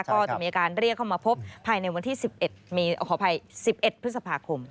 ก็จะมีการเรียกเข้ามาพบภายในวันที่๑๑พฤษภาคม